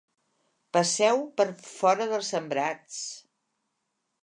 Passeu per fora dels sembrats.